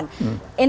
ini kan jumlahnya pak